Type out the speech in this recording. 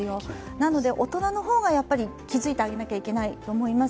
なので、大人の方が気づいてあげないといけないと思います。